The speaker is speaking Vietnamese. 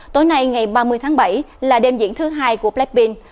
tối nay ngày ba mươi tháng bảy là đêm diễn thứ hai của blackpink